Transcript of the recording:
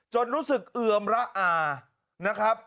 รู้สึกเอือมระอานะครับ